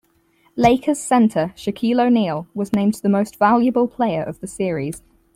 Lakers center Shaquille O'Neal was named the Most Valuable Player of the series.